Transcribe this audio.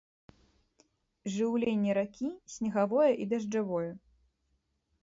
Жыўленне ракі снегавое і дажджавое.